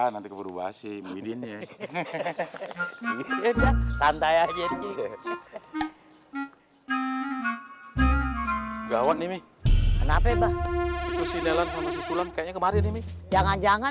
nanti berubah sih bikinnya santai aja gawat nih kenapa iba itu sinyalnya kemarin ini jangan jangan